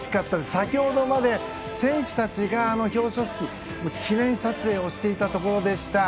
先ほどまで選手たちが表彰式記念撮影をしていたところでした。